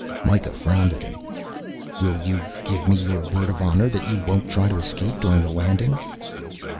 Mikah frowned at him. "Will you give me your word of honor that you won't try to escape during the landing?"